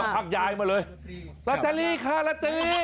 พักยายมาเลยรัตตาลีค่ะรัตตาลี